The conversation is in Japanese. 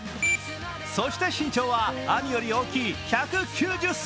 そして身長は兄より大きい１９０ｃｍ。